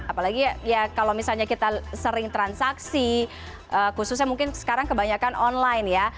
apalagi ya kalau misalnya kita sering transaksi khususnya mungkin sekarang kebanyakan online ya